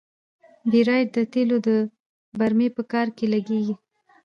بیرایت د تیلو د برمې په کار کې لګیږي.